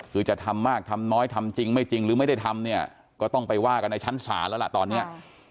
คือจะทำมากทำน้อยทำจริงไม่จริงหรือไม่ได้ทำเนี่ยก็ต้องไปว่ากันในชั้นศาลแล้วล่ะตอนนี้